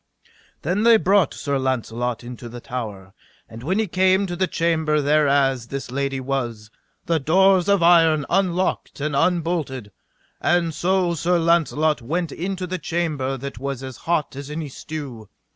Then they brought Sir Launcelot into the tower; and when he came to the chamber thereas this lady was, the doors of iron unlocked and unbolted. And so Sir Launcelot went into the chamber that was as hot as any stew.